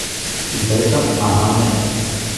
唔使急慢慢嚟